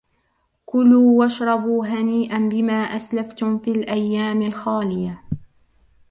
كلوا واشربوا هنيئا بما أسلفتم في الأيام الخالية